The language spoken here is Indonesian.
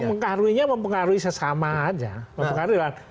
mempengaruhinya mempengaruhi sesama aja